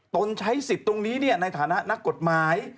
ตนใช้สิทธิ์ตรงนี้ในฐานะนักกฎหมาย